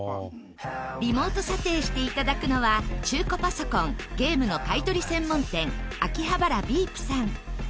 リモート査定して頂くのは中古パソコン・ゲームの買い取り専門店アキハバラ＠ＢＥＥＰさん。